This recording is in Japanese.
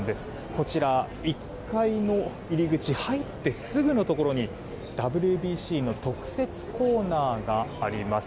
こちら１階の入り口入ってすぐのところにＷＢＣの特設コーナーがあります。